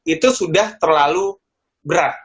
itu sudah terlalu berat